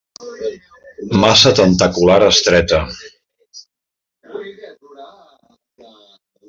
Massa tentacular estreta.